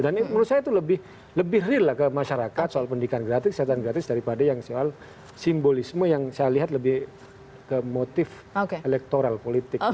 dan menurut saya itu lebih real lah ke masyarakat soal pendidikan gratis kesehatan gratis daripada yang soal simbolisme yang saya lihat lebih ke motif elektoral politik